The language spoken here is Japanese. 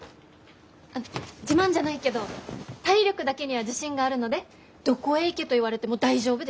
自慢じゃないけど体力だけには自信があるのでどこへ行けと言われても大丈夫です。